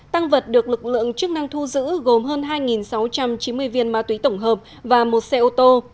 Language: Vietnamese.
tăng vật được lực lượng chức năng thu giữ gồm hơn hai sáu trăm chín mươi viên ma túy tổng hợp và một xe ô tô